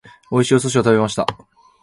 美味しいお寿司を食べました。